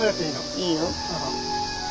いいよ。